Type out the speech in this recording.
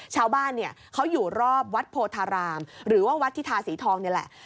ชาวบ้านเนี่ยเขาอยู่รอบวัดโพธารามหรือว่าวัดทิธาสีทองนี่แหละ